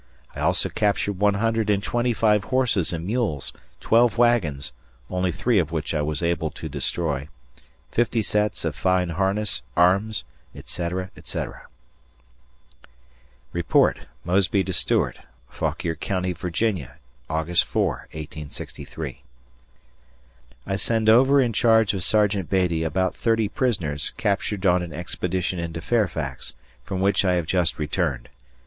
I also captured one hundred and twenty five horses and mules, twelve wagons (only three of which I was able to destroy), fifty sets of fine harness, arms, etc., etc. [Report, Mosby to Stuart] Fauquier Co., Va., Aug. 4, 1863. I send over in charge of Sergeant Beattie about 30 prisoners captured on an expedition into Fairfax, from which I have just returned.